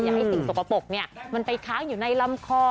ให้สิ่งสกปรกมันไปค้างอยู่ในลำคอ